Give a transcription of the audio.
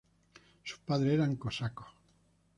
Sus padres eran Cosacos.